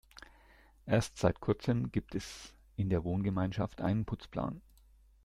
Erst seit Kurzem gibt es in der Wohngemeinschaft einen Putzplan.